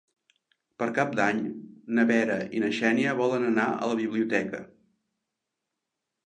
Per Cap d'Any na Vera i na Xènia volen anar a la biblioteca.